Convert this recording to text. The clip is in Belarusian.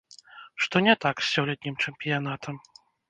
Што не так з сёлетнім чэмпіянатам?